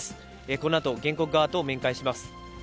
このあと、原告側と面会します。